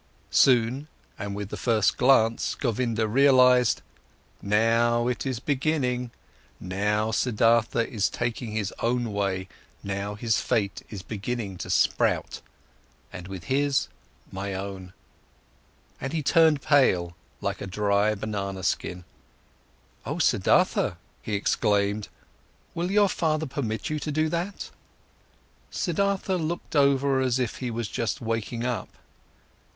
Soon and with the first glance, Govinda realized: Now it is beginning, now Siddhartha is taking his own way, now his fate is beginning to sprout, and with his, my own. And he turned pale like a dry banana skin. "O Siddhartha," he exclaimed, "will your father permit you to do that?" Siddhartha looked over as if he was just waking up.